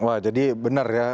wah jadi benar ya